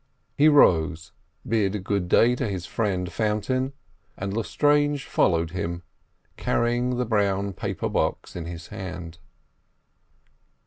He rose, bid good day to his friend Fountain, and Lestrange followed him, carrying the brown paper box in his hand.